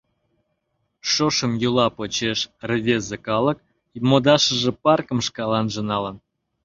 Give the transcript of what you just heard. Шошым йӱла почеш рвезе калык модашыже паркым шкаланже налын.